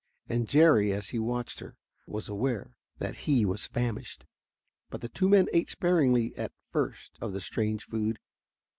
And Jerry, as he watched her, was aware that he was famished. But the two men ate sparingly at first of the strange food.